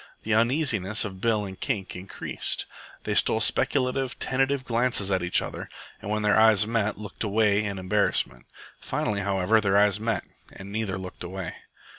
The uneasiness of Bill and Kink increased. They stole speculative, tentative glances at each other, and when their eyes met looked away in embarrassment. Finally, however, their eyes met and neither looked away.